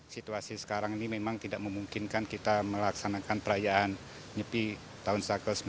situasi sekarang ini memang tidak memungkinkan kita melaksanakan perayaan nyepi tahun seribu sembilan ratus sembilan puluh